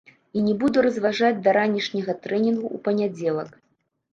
І не буду разважаць да ранішняга трэнінгу ў панядзелак.